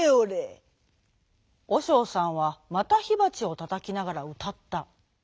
おしょうさんはまたひばちをたたきながらうたった。